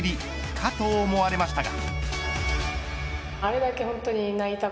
かと思われましたが。